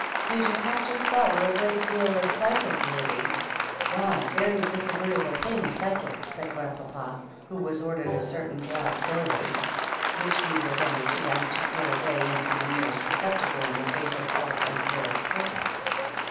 "Did you have to swallow a great deal of physic, Lyddie? Ah, a very disagreeable thing, physic," said Grandpapa, who was ordered a certain draught daily, which he was only too apt to pour away into the near est receptacle in the face of all Aunt Beryl's protests.